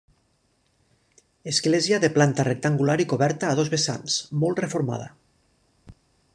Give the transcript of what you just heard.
Església de planta rectangular i coberta a dos vessants, molt reformada.